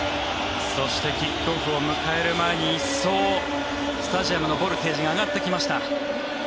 そしてキックオフを迎える前に一層スタジアムのボルテージが上がってきました。